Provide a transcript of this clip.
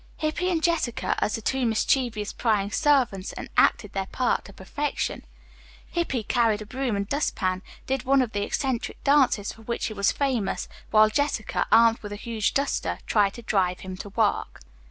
Hippy and Jessica, as the two mischievous prying servants, enacted their part to perfection. Hippy carrying a broom and dust pan, did one of the eccentric dances, for which he was famous, while Jessica, armed with a huge duster, tried to drive him to work.